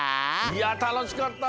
いやたのしかった！